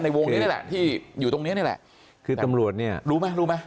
วงนี้นี่แหละที่อยู่ตรงเนี้ยนี่แหละคือตำรวจเนี่ยรู้ไหมรู้ไหม